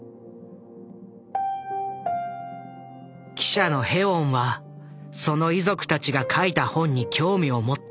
記者のヘウォンはその遺族たちが書いた本に興味を持った。